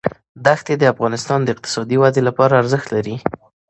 دښتې د افغانستان د اقتصادي ودې لپاره ارزښت لري.